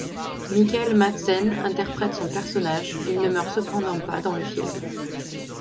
Michael Madsen interprète son personnage, il ne meurt cependant pas dans le film.